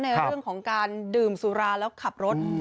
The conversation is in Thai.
ในเรื่องของการดื่มสุราแล้วขับรถ